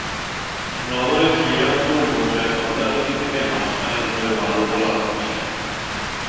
নগরের শ্রীরামপুর মৌজায় পদ্মা নদী থেকে মাস খানেক ধরে বালু তোলা হচ্ছে।